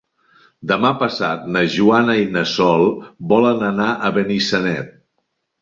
Demà passat na Joana i na Sol volen anar a Benissanet.